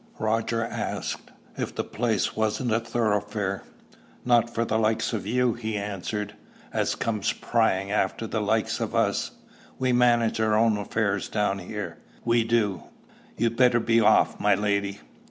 Roger asked if the place wasn't a thoroughfare. "Not for the likes o' you," he answered, "as comes pryin' after the likes of us. We manage our own affairs down here we do. You'd better be off, my lady."